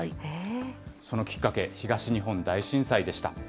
そのきっかけ、東日本大震災でした。